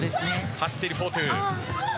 走っているフォートゥ。